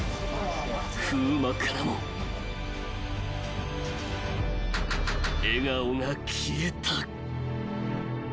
［風磨からも笑顔が消えた］